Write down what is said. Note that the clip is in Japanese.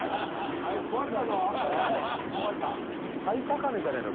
最高値じゃねえの？